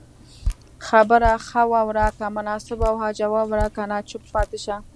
خبره خه واوره که مناسبه وه جواب ورکړه که نه چوپ پاتي شته